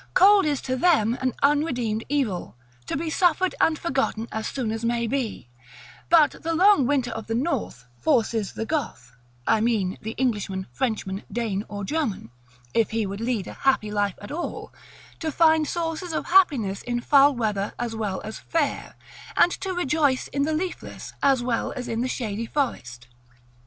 Cold is to them an unredeemed evil, to be suffered, and forgotten as soon as may be; but the long winter of the North forces the Goth (I mean the Englishman, Frenchman, Dane, or German), if he would lead a happy life at all, to find sources of happiness in foul weather as well as fair, and to rejoice in the leafless as well as in the shady forest.